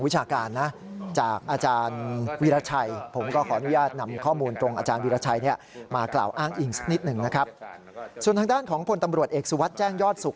ส่วนทางด้านของพลตำรวจเอกสุวัสดิ์แจ้งยอดสุข